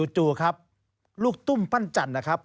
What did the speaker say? จู่ครับลูกตุ้มพั่นจั่นนะครับ